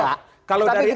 tapi kita bisa buktikan